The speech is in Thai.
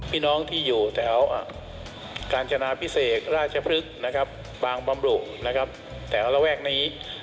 พี่น้องที่อยู่แถวการจนาพิเศษราชภฤษบางบำรุแถวระแวกนี้